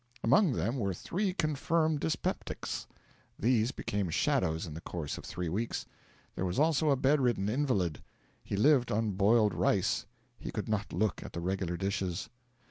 Among them were three confirmed dyspeptics. These became shadows in the course of three weeks. There was also a bed ridden invalid; he lived on boiled rice; he could not look at the regular dishes.